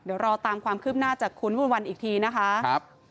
เดี๋ยวรอตามความคืบหน้าจากคุณวิมวลวันอีกทีนะคะ